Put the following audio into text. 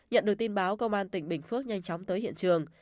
nhận được tin báo công an tỉnh bình phước nhanh chóng tới hiện trường